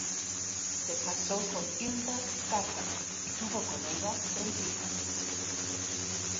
Se casó con Hilda Cárcamo y tuvo con ella tres hijas.